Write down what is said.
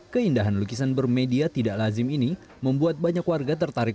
keindahan lukisan bermedia tidak lazim ini membuat banyak warga tertarik